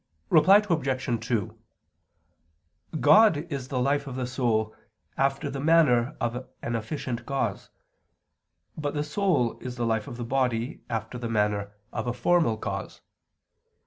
Reply Obj. 2: God is the life of the soul after the manner of an efficient cause; but the soul is the life of the body after the manner of a formal cause.